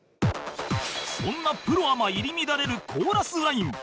そんなプロアマ入り乱れるコーラスライン